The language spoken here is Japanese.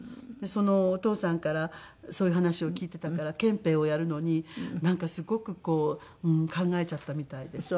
そのお父さんからそういう話を聞いていたから憲兵をやるのになんかすごくこう考えちゃったみたいです。